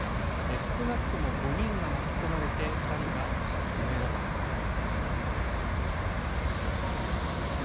少なくとも５人が巻き込まれて２人が意識不明だということです。